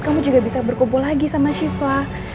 kamu juga bisa berkumpul lagi sama syifa